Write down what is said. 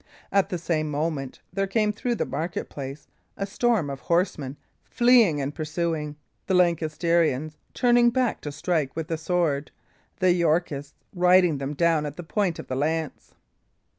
At the same moment there came through the market place a storm of horsemen, fleeing and pursuing, the Lancastrians turning back to strike with the sword, the Yorkists riding them down at the point of the lance.